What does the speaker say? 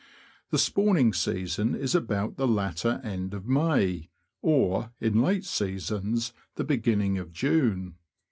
The spawning season is about the latter end of May, or, in late seasons, the beginning of June.